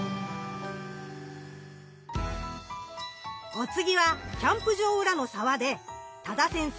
お次はキャンプ場裏の沢で多田先生